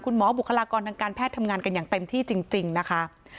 บุคลากรทางการแพทย์ทำงานกันอย่างเต็มที่จริงนะคะ